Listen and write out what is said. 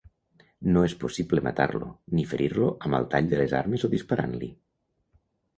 No és possible matar-lo ni ferir-lo amb el tall de les armes o disparant-li.